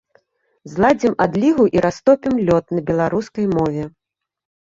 Зладзім адлігу і растопім лёд на беларускай мове!